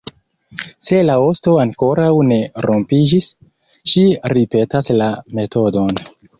Se la osto ankoraŭ ne rompiĝis, ĝi ripetas la metodon.